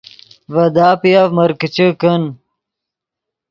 ڤے داپیف مرکیچے کن